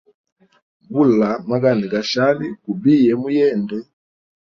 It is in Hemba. Gula magani gashali gubiye mu yende.